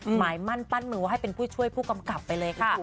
หมายมั่นปั้นมือให้เป็นผู้ช่วยผู้กำกับไปเลยค่ะคุณ